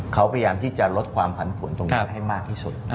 เขาพยายามที่จะลดความผันผลตรงนี้ให้มากที่สุด